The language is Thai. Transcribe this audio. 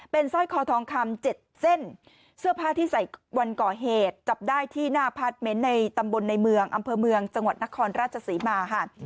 เป็นสร้อยคอทองคำ๗เส้นเสื้อผ้าที่ใส่วันก่อเหตุจับได้ที่หน้าพาร์ทเมนต์ในตำบลในเมืองอำเภอเมืองจังหวัดนครราชศรีมาค่ะ